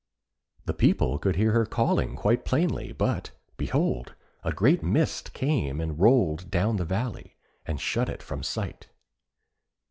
The people could hear her calling quite plainly, but, behold, a great mist came and rolled down the valley, and shut it from sight.